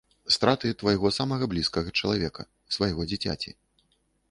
Страты твайго самага блізкага чалавека, свайго дзіцяці.